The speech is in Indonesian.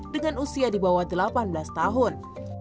dengan usia di bawah delapan belas tahun